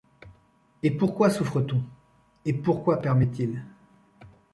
Et pourquoi souffre-t-on ? Et pourquoi permet-il